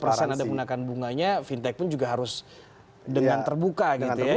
berapa persen ada penangan bunganya fintech pun juga harus dengan terbuka gitu ya